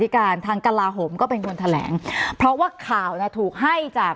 การทางกลาโหมก็เป็นคนแถลงเพราะว่าข่าวน่ะถูกให้จาก